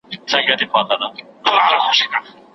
زور لرو زلمي لرو خو مخ د بلا نه نیسي